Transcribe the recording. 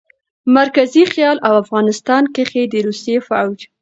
مرکزي خيال او افغانستان کښې د روسي فوج